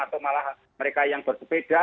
atau malah mereka yang bersepeda